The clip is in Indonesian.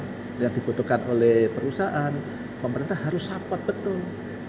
nah kalau kita melakukan yang dibutuhkan oleh perusahaan pemerintah harus support betul